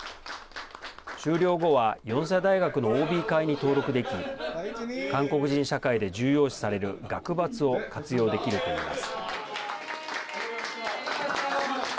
修了後はヨンセ大学のＯＢ会に登録でき韓国人社会で重要視される学閥を活用できるといいます。